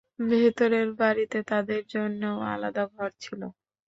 ভেতরের বাড়িতে তাঁদের জন্যেও আলাদা ঘর ছিল।